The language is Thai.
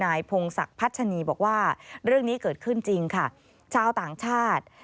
พงศักดิ์พัชนีบอกว่าเรื่องนี้เกิดขึ้นจริงค่ะชาวต่างชาติ